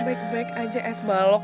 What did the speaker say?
baik baik aja esbok